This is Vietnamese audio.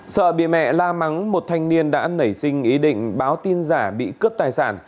sợ bị mẹ la mắng một thanh niên đã nảy sinh ý định báo tin giả bị cướp tài sản